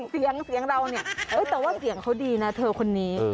เสียงเสียงเราเนี่ยแต่ว่าเสียงเขาดีนะเธอคนนี้